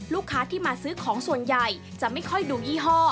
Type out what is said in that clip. ลูกค้าที่มาซื้อของส่วนใหญ่จะไม่ค่อยดูยี่ห้อ